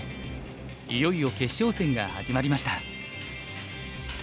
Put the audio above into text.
いよいよ決勝戦が始まりました。